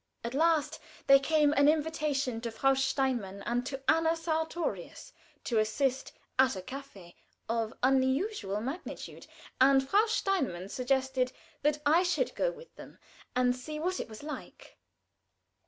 At last there came an invitation to Frau Steinmann and to Anna Sartorius, to assist at a "coffee" of unusual magnitude, and Frau Steinmann suggested that I should go with them and see what it was like.